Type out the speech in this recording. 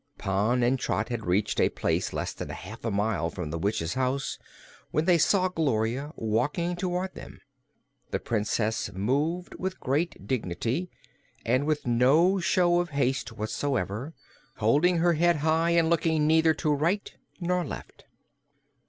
Pon and Trot had reached a place less than half a mile from the witch's house when they saw Gloria walking toward them. The Princess moved with great dignity and with no show of haste whatever, holding her head high and looking neither to right nor left.